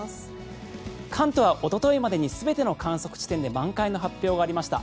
関東はおとといまでに全ての観測地点で満開の発表がありました。